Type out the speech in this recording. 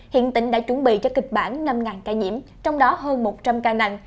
hiện tỉnh đã chuẩn bị cho kịch bản năm ca nhiễm trong đó hơn một trăm linh ca nặng